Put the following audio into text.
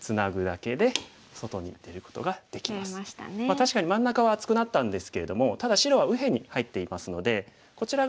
確かに真ん中は厚くなったんですけれどもただ白は右辺に入っていますのでこちら側